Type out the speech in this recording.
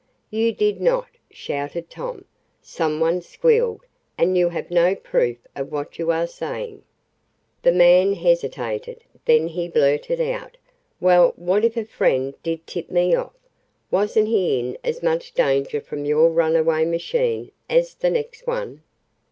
"You did not!" shouted Tom. "Some one 'squealed,' and you have no proof of what you are saying." The man hesitated. Then he blurted out: "Well, what if a friend did tip me off? Wasn't he in as much danger from your runaway machine as the next one?"